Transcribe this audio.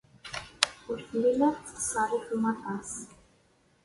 Ur tellim ara tettṣerrifem aṭas.